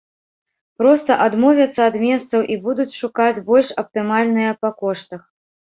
Проста адмовяцца ад месцаў і будуць шукаць больш аптымальныя па коштах.